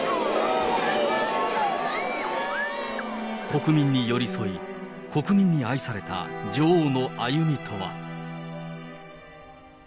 国民に寄り添い、国民に愛された女王の歩みとは。